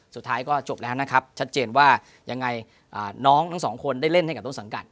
สุดท้ายก็จบแล้วนะครับชัดเจนว่ายังไงน้องทั้งสองคนได้เล่นให้กับต้นสังกัด